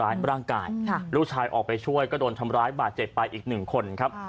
ร่างกายลูกชายออกไปช่วยก็โดนทำร้ายบาดเจ็บไปอีกหนึ่งคนครับ